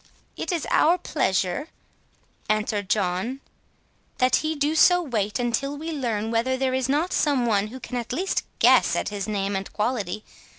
"It is our pleasure," answered John, "that he do so wait until we learn whether there is not some one who can at least guess at his name and quality.